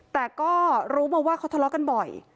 แต่ก็รู้มาว่าเขาทะเลาะกันบ่อย